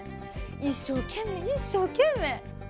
一生懸命一生懸命。